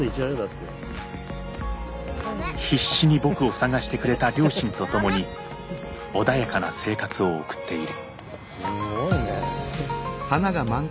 必死に僕を捜してくれた両親と共に穏やかな生活を送っている。